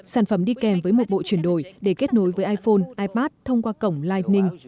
sản phẩm đi kèm với một bộ truyền đổi để kết nối với iphone ipad thông qua cổng lightning